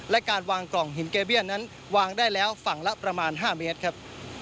และการวางกล่องหินเกเบี้ยนั้นวางได้แล้วฝั่งละประมาณ๕เมตรครับ